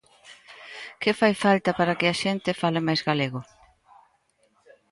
Que fai falta para que a xente fale máis galego?